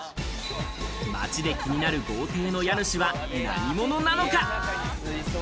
街で気になる豪邸の家主は何者なのか？